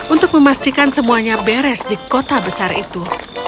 untuk memastikan semuanya beres di kota besar itu